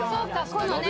このね。